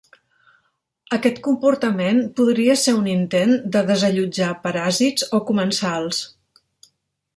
Aquest comportament podria ser un intent de desallotjar paràsits o comensals.